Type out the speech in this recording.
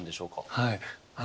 はい。